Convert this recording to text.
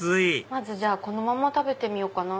まずこのまま食べてみようかな